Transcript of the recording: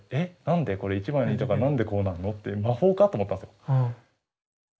何で一枚の板から何でこうなるの？って魔法かと思ったんですよ。